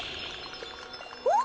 おっ？